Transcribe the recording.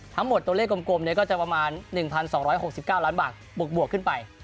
ทั้งหมดตัวเลขกลมก็จะประมาณ๑๒๖๙ล้านบาทบวกขึ้นไป